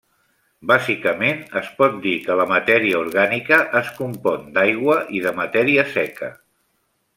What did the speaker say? Bàsicament es pot dir que la matèria orgànica es compon d'aigua i de matèria seca.